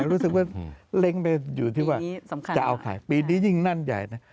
รู้สึกว่าเล้งไปอยู่ที่ว่าจะเอาใครปีนี้ยิ่งนั่นใหญ่นะ